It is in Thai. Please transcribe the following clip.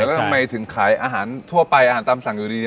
แล้วทำไมถึงขายอาหารทั่วไปอาหารตามสั่งอยู่ดี